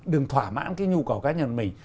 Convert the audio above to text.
đừng thỏa mãn cái nhu cầu cái nhân mình